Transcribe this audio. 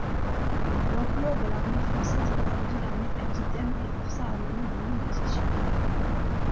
L'ampleur de l'armée française refroidie l'armée aquitaine et força a mener des négociations.